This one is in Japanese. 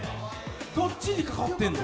どっちにかかってるの？